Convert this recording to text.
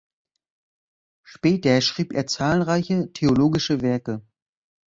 Später schrieb er zahlreiche theologische Werke.